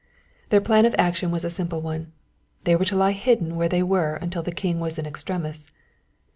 Their plan of action was a simple one. They were to lie hidden where they were until the king was in extremis.